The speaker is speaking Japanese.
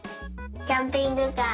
キャンピングカー。